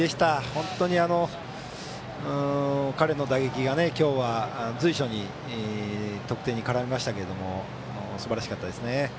本当に、彼の打撃が今日は随所に得点に絡みましたけどもすばらしかったですね。